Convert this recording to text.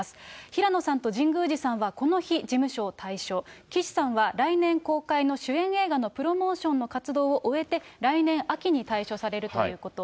平野さんと神宮寺さんは、この日、事務所を退所、岸さんは来年公開の主演映画のプロモーションの活動を終えて、来年秋に退所されるということ。